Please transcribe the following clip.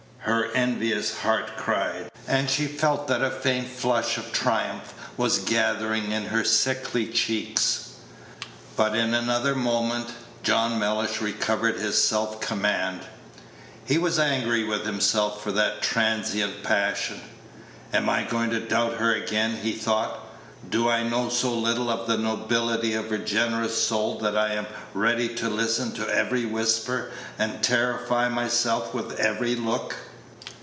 her envious heart cried, and she felt that a faint flush of triumph was gathering in her sickly cheeks. But in another moment John Mellish recovered his self command. He was angry with himself for that transient passion. "Am I going to doubt her again?" he thought. "Do I know so little of the nobility of her generous soul that I am ready to listen to every whisper, and terrify myself with every look?"